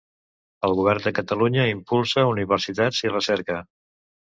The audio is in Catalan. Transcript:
El Govern de Catalunya impulsa Universitats i Recerca.